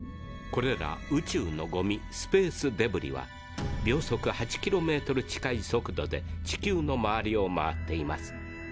これら宇宙のゴミスペースデブリは秒速８キロメートル近い速度で地球の周りを回っています。